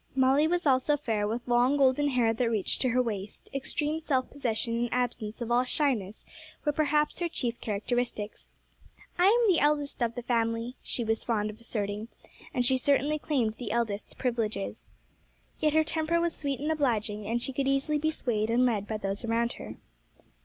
Molly was also fair, with long golden hair that reached to her waist; extreme self possession and absence of all shyness were perhaps her chief characteristics. 'I am the eldest of the family,' she was fond of asserting, and she certainly claimed the eldest's privileges. Yet her temper was sweet and obliging, and she could easily be swayed and led by those around her.